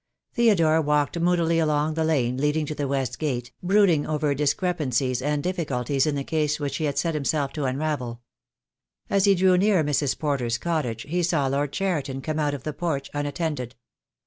Theodore walked moodily along the lane leading to the West Gate, brooding over discrepancies and difficulties in the case which he had set himself to unravel. As he drew near Mrs. Porter's cottage he saw Lord Cheriton come out of the porch, unattended.